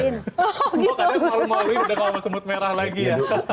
kadang malu maluin udah sama semut merah lagi ya